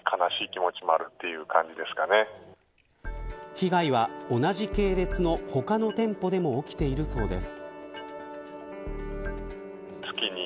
被害は同じ系列の他の店舗でも起きているそうです。